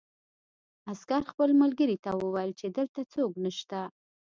عسکر خپل ملګري ته وویل چې دلته څوک نشته